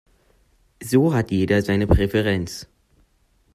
So hat jeder seine Präferenz.